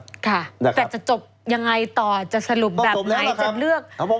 แต่จะจบยังไงต่อจะสรุปแบบไหนจะเลือก